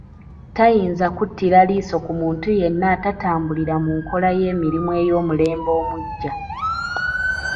Tayinza kuttira liiso ku muntu yenna atatambulira mu nkola y'emirimu ey'omulembe omuggya